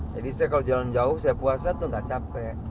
jadi saya kalau jalan jauh saya puasa tuh enggak capek